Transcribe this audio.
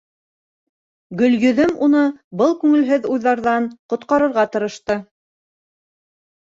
Гөлйөҙөм уны был күңелһеҙ уйҙарҙан ҡотҡарырға тырышты.